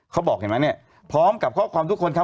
เขาบอกเห็นไหมเนี่ยพร้อมกับข้อความทุกคนครับ